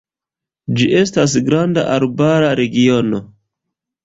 Ĝi estas granda arbara regiono.